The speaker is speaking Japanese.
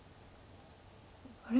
あれ？